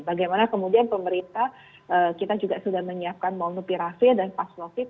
bagaimana kemudian pemerintah kita juga sudah menyiapkan molnupirase dan paslokit